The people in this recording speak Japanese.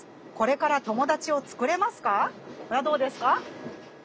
これはどうですか？